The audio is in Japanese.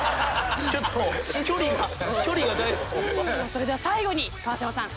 それでは最後に川島さん